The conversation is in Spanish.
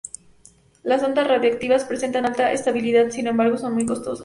Las sondas radioactivas presentan alta estabilidad, sin embargo, son muy costosas.